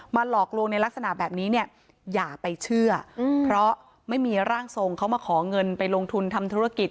หลอกลวงในลักษณะแบบนี้เนี่ยอย่าไปเชื่อเพราะไม่มีร่างทรงเขามาขอเงินไปลงทุนทำธุรกิจ